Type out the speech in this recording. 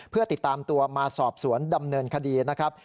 เพื่อติดตามตัวมาสอบสวนดำเนินคดีนะครับ